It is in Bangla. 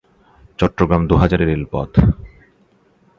চট্টগ্রাম-দোহাজারী রেলপথ।